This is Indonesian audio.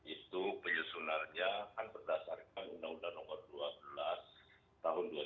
itu penyusunannya akan berdasarkan undang undang umumnya